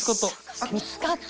見つかった。